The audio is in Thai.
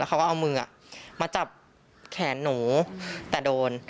เขาก็เอามือมาจับแขนหนูแต่โดน